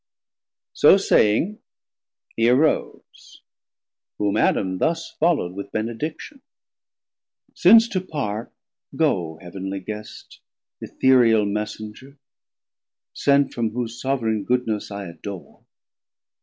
So saying, he arose; whom Adam thus Follow'd with benediction. Since to part, Go heavenly Guest, Ethereal Messenger, Sent from whose sovran goodness I adore.